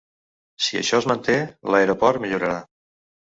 Si això es manté, l’aeroport millorarà.